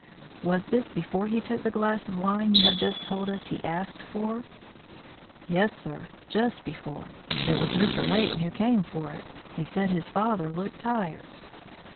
"Was this before he took the glass of wine you have just told us he asked for?" "Yes, sir, just before. It was Mr. Leighton who came for it. He said his father looked tired."